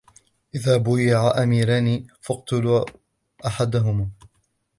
إذَا بُويِعَ أَمِيرَانِ فَاقْتُلُوا أَحَدَهُمَا